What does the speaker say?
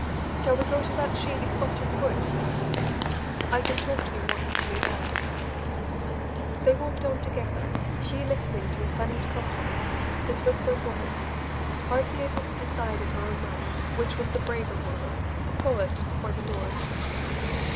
"Shall we go to that shady spot in the woods?" he asked; "I can talk to you more easily there." They walked on together, she listening to his honeyed compliments, his whispered words, hardly able to decide in her own mind, which was the braver wooer, the poet or the lord.